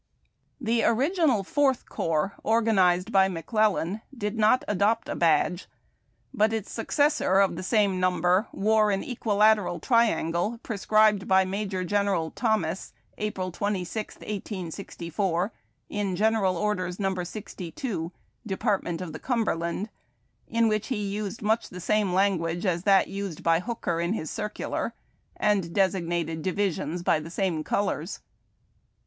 The original Fourth Corps, organized by McClellan, did not adopt a badge, but its successor of the same number wore an equilateral triangle prescribed by Major General Thomas, April 26, 1864, in General (Orders No. 62, Depart ment of the Cumberland, in which lie used much the same 260 HARD TACK AND COFFEE. language as that used by Hooker in his circular, and desig nated divisions by the same colors.